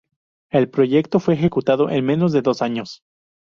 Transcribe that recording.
El proyecto fue ejecutado en menos de dos años.